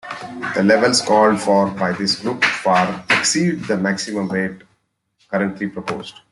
The levels called for by this group far exceed the maximum rate currently proposed.